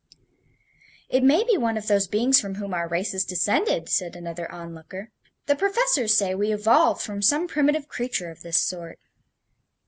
"It may be one of those beings from whom our race is descended," said another onlooker. "The professors say we evolved from some primitive creature of this sort."